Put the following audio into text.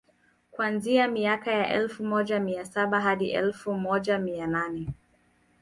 kuanzia miaka ya elfu moja mia saba hadi elfu moja mia nane